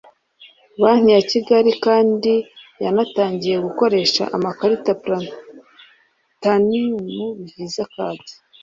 Banki ya Kigali kandi yanatangiye gukoresha amakarita ‘Platinum Visa Card’